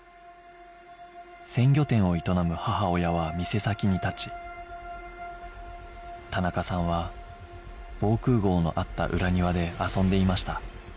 鮮魚店を営む母親は店先に立ち田中さんは防空壕のあった裏庭で遊んでいました